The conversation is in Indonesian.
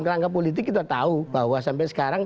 kerangka politik kita tahu bahwa sampai sekarang